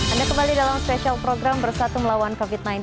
anda kembali dalam spesial program bersatu melawan covid sembilan belas